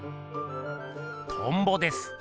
トンボです。